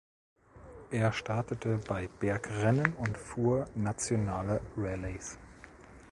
Er startete bei Bergrennen und fuhr nationale Rallyes.